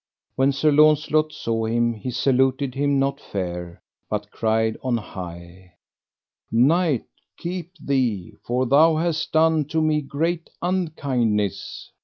When Sir Launcelot saw him he saluted hin not fair, but cried on high: Knight, keep thee, for thou hast done to me great unkindness.